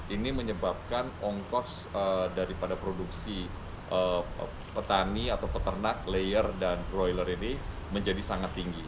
ini menyebabkan ongkos daripada produksi petani atau peternak layer dan roiler ini menjadi sangat tinggi